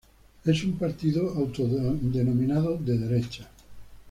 Es un partido autodenominado de derecha.